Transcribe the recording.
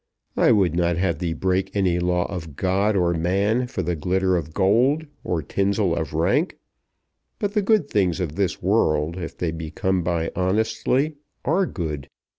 I would not have thee break any law of God or man for the glitter of gold or tinsel of rank. But the good things of this world, if they be come by honestly, are good.